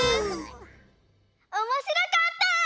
おもしろかった！